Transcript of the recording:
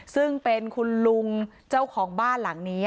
ซึ่งเป็นคุณลุงเจ้าของบ้านหลังนี้